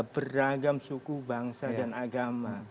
beragam suku bangsa dan agama